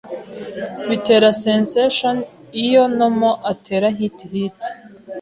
Bitera sensation iyo Nomo atera hit-hit.